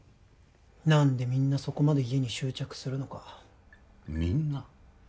何でみんなそこまで家に執着するのかみんな？